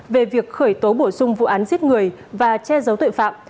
về việc khởi tố bổ sung vụ án giết người và che giấu tội phạm